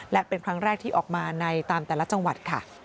และเป็นครั้งแรกที่ออกมาในตามแต่ละจังหวัดค่ะ